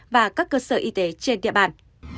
và các cơ sở y tế trên địa bàn